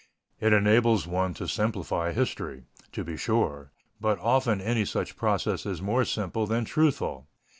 It enables one to simplify history, to be sure, but often any such process is more simple than truthful.